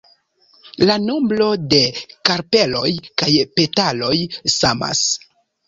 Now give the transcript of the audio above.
La nombro de karpeloj kaj petaloj samas.